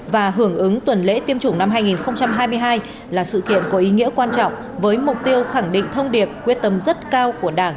và hưởng ứng tuần lễ tiêm chủng năm hai nghìn hai mươi hai là sự kiện có ý nghĩa quan trọng với mục tiêu khẳng định thông điệp quyết tâm rất cao của đảng